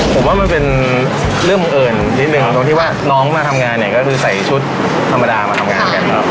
ผมว่ามันเป็นเรื่องบังเอิญนิดนึงตรงที่ว่าน้องมาทำงานเนี่ยก็คือใส่ชุดธรรมดามาทำงานกันครับ